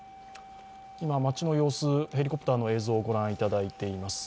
街の様子、ヘリコプターの映像をご覧いただいています。